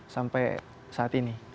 sampai saat ini